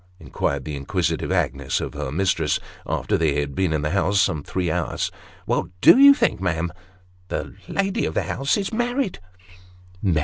" inquired the inquisitive Agnes of her mistress, after they had been in the house some three hours ;" what do you think, ma'am ? the lady of the house is married."